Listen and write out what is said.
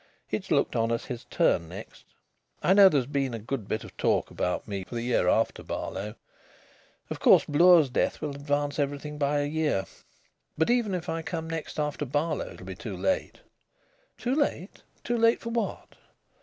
It's looked on as his turn next. I know there's been a good bit of talk about me for the year after Barlow. Of course, Bloor's death will advance everything by a year. But even if I come next after Barlow it'll be too late." "Too late? Too late for what?"